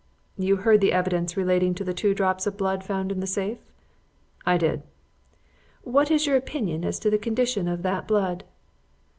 "You heard the evidence relating to the two drops of blood found in the safe?" "I did." "What is your opinion as to the condition of that blood?"